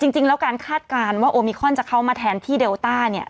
จริงแล้วการคาดการณ์ว่าโอมิคอนจะเข้ามาแทนที่เดลต้าเนี่ย